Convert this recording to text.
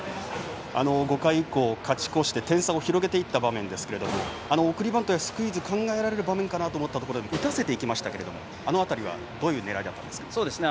５回以降、勝ち越して点差を広げていった場面ですけど送りバントやスクイズを考える場面かと思ったところでも打たせていきましたけどあの辺りはどういう狙いだったんですか。